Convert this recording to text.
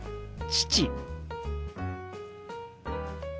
父。